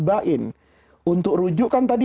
bain untuk rujuk kan tadi